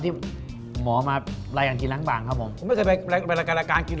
ที่หมอมารายการกินล้างบางครับผมผมไม่เคยไปรายการรายการกิน